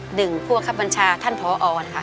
หนึ่งพวกคับมัญชาท่านพอนะคะ